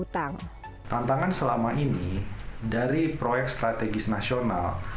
tantangan selama ini dari proyek strategis nasional